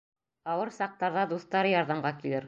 Ауыр саҡтарҙа дуҫтары ярҙамға килер.